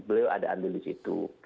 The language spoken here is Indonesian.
beliau ada ambil di situ